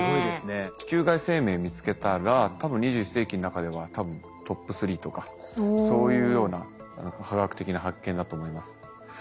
地球外生命見つけたら多分２１世紀の中では多分トップ３とかそういうような科学的な発見だと思います。